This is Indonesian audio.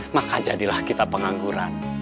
maka jadilah kita pengangguran